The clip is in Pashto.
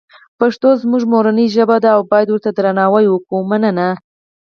پښتوزموږمورنی ژبه ده اوبایدورته درناوی وکومننه